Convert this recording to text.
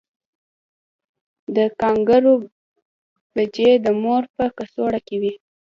د کانګارو بچی د مور په کڅوړه کې وي